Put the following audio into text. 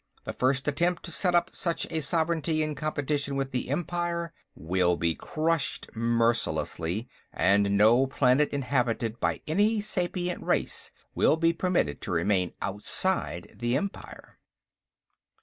The first attempt to set up such a sovereignty in competition with the Empire will be crushed mercilessly, and no planet inhabited by any sapient race will be permitted to remain outside the Empire.